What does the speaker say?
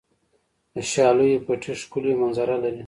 د شالیو پټي ښکلې منظره لري.